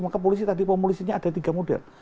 maka polisi tadi pemolisinya ada tiga model